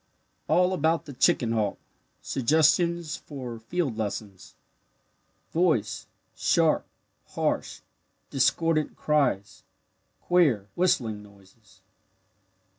ALL ABOUT THE CHICKEN HAWK SUGGESTIONS FOR FIELD LESSONS Voice sharp, harsh, discordant cries queer "whistling" noises.